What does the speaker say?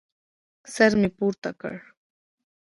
سر مې پورته کړ.